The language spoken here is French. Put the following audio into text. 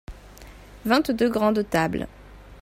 vingt deux grandes tables.